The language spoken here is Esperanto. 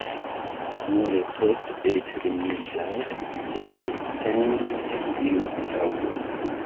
Nur poste elturniĝas kelktempe iu taŭgo.